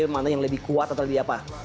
mana yang lebih kuat atau lebih apa